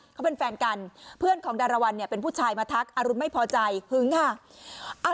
เขาเป็นแฟนกันเพื่อนของดารวรรณเนี่ยเป็นผู้ชายมาทักอรุณไม่พอใจหึงค่ะ